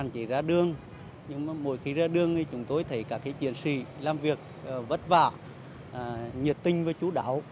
chỉ ra đường nhưng mà mỗi khi ra đường thì chúng tôi thấy các cái chiến sĩ làm việc vất vả nhiệt tinh và chú đảo